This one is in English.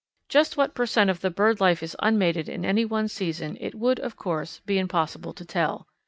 Just what per cent. of the bird life is unmated in any one season it would, of course, be impossible to tell.